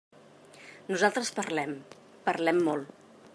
Nosaltres parlem, parlem molt.